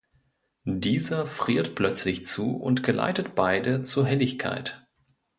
Dieser friert plötzlich zu und geleitet beide zur „Helligkeit“.